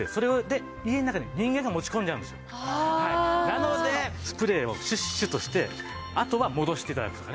なのでスプレーをシュッシュッとしてあとは戻して頂くとね。